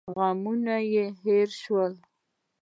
غمونه مې هېر سول.